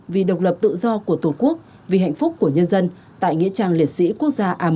vì độc lập tự do của tổ quốc vì hạnh phúc của nhân dân tại nghĩa trang liệt sĩ quốc gia a một